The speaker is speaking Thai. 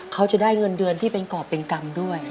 เขาจะได้เงินเดือนที่เป็นกรอบเป็นกรรมด้วย